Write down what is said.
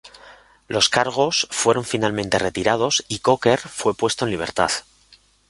Los cargos fueron finalmente retirados y Cocker fue puesto en libertad.